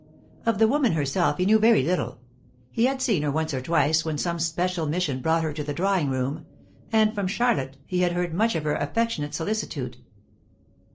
Of the woman herself he knew very little: he had seen her once or twice when some special mission brought her to the drawing room; and from Charlotte he had heard much of her affectionate solicitude.